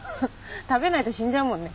食べないと死んじゃうもんね。